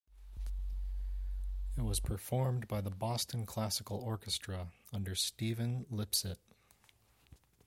It was performed by the Boston Classical Orchestra, under Steven Lipsitt.